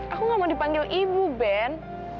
aku gak mau dipanggil ibu ben